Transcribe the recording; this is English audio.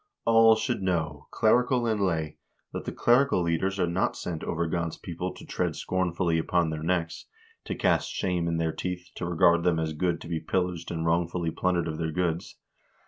"All should know, clerical and lay, that the clerical leaders are not set over God's people to tread scornfully upon their necks, to cast shame in their teeth, to regard them as good to be pillaged and wrongfully plundered of their goods.